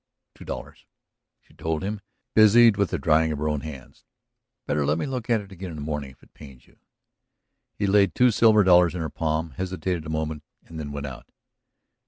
"Two dollars," she told him, busied with the drying of her own hands. "Better let me look at it again in the morning if it pains you." He laid two silver dollars in her palm, hesitated a moment and then went out.